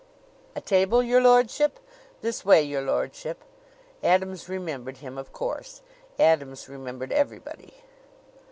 "A table, your lordship? This way, your lordship." Adams remembered him, of course. Adams remembered everybody.